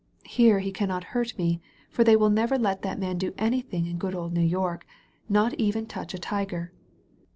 Here he cannot hurt me, for they will never let that man do anything in good old New York, not even touch a Tiger."